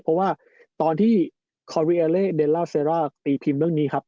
เพราะว่าตอนที่คอริเอเล่เดลล่าเซร่าตีพิมพ์เรื่องนี้ครับ